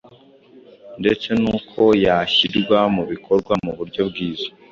ndetse n’uko yashyirwa mu bikorwa mu buryo bwiza.